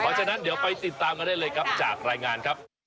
เพราะฉะนั้นเดี๋ยวไปติดตามกันได้เลยครับจากรายงานครับ